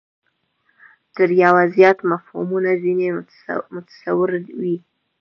تر یوه زیات مفهومونه ځنې متصور وي.